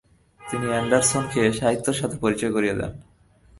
তিনি এন্ডারসনকে সাহিত্যের সাথে পরিচয় করিয়ে দেন।